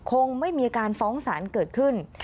คงไม่มีการฟ้องสารเกิดขึ้น